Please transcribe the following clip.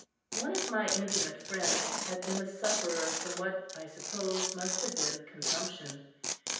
One of my intimate friends had been a sufferer from what, I suppose, must have been consumption.